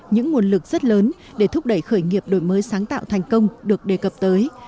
những nguồn lực rất lớn để thúc đẩy khởi nghiệp đổi mới sáng tạo thành công được đề cập tới